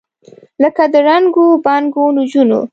لکه د ړنګو بنګو نجونو،